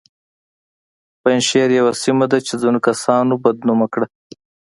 پنجشیر یوه سیمه ده چې ځینو کسانو بد نومه کړه